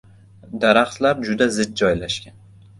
Daraxtlar juda zich joylashgan.